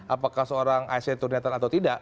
apakah seorang asn itu netral atau tidak